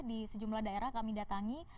di sejumlah daerah kami datangi